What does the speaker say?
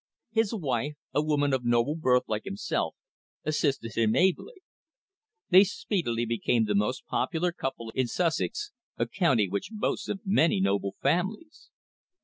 His wife, a woman of noble birth like himself, assisted him ably. They speedily became the most popular couple in Sussex, a county which boasts of many noble families.